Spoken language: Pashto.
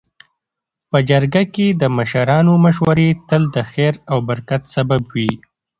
. په جرګه کي د مشرانو مشورې تل د خیر او برکت سبب وي.